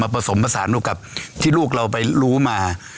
ผสมผสานลูกกับที่ลูกเราไปรู้มา